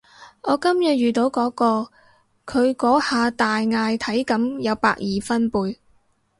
我今日遇到嗰個，佢嗰下大嗌體感有百二分貝